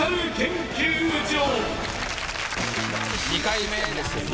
２回目ですよ